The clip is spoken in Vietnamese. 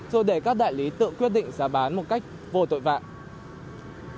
rồi để các đại lý tự quyết định giá bán một cách vô tội vạ